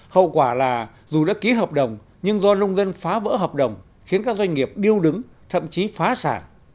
hậu quả là dù đã ký hợp đồng nhưng do nông dân phá vỡ hợp đồng khiến các doanh nghiệp điêu đứng thậm chí phá sản